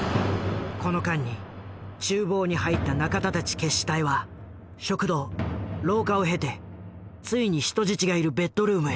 この間に厨房に入った仲田たち決死隊は食堂廊下を経てついに人質がいるベッドルームへ。